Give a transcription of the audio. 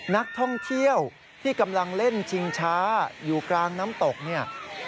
นักท่องเที่ยวที่กำลังเล่นชิงช้าอยู่กลางน้ำตกเนี่ย